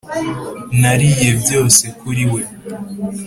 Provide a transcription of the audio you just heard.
nariye byose kuri we.